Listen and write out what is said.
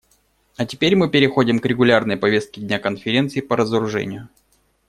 А теперь мы переходим к регулярной повестке дня Конференции по разоружению.